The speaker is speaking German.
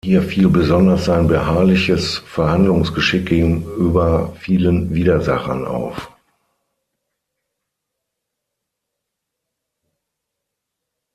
Hier fiel besonders sein beharrliches Verhandlungsgeschick gegenüber vielen Widersachern auf.